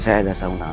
saya ada sarung tangan